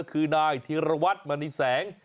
คือนายธีรวัตรมณีแสง